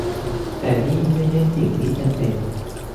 แต่นี่ไม่ใช่สิ่งที่จะเป็น